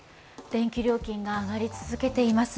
電気料金が上がり続けています。